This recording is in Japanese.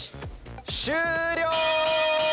終了！